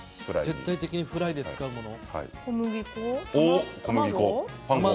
絶対にフライで使うもの？